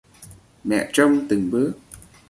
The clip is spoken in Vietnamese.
Mẹ trông từng bước